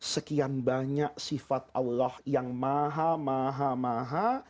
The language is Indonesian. sekian banyak sifat allah yang maha maha maha